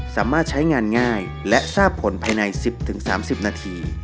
สามารถใช้งานง่ายและทราบผลภายใน๑๐๓๐นาที